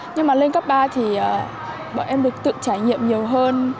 nhưng mà lên cấp ba thì bọn em được tự trải nghiệm nhiều hơn